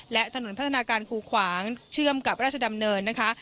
และถนนพัฒนาการคูขวางเชื่อมกับราชดำเนินนะคะ